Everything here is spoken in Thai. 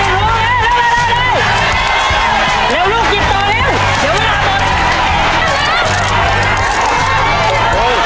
เร็วหยิบออกมาเร็ว